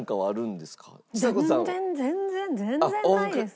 全然全然全然ないです。